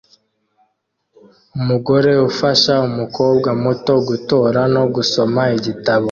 Umugore ufasha umukobwa muto gutora no gusoma igitabo